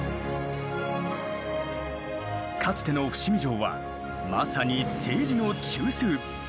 かつての伏見城はまさに政治の中枢。